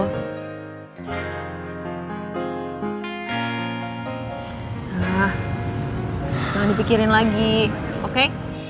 nah jangan dipikirin lagi oke